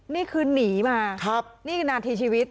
นี่คือหนีมานี่คือนาทีชีวิต